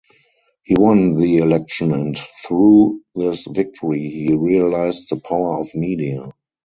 He won the election and through this victory he realized the power of media.